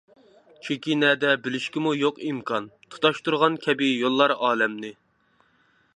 چېكى نەدە بىلىشكىمۇ يوق ئىمكان، تۇتاشتۇرغان كەبى يوللار ئالەمنى.